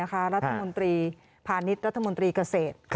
รัฐมนตรีพาณิชย์รัฐมนตรีเกษตร